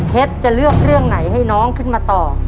จะเลือกเรื่องไหนให้น้องขึ้นมาต่อ